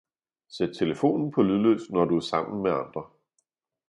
Sæt telefonen på lydløs, når du er sammen med andre